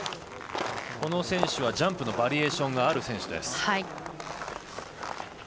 この選手はジャンプのバリエーションがある選手です。